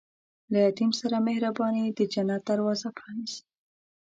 له یتیم سره مهرباني، د جنت دروازه پرانیزي.